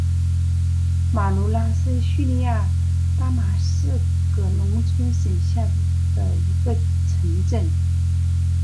马卢拉是叙利亚大马士革农村省下的一个城镇。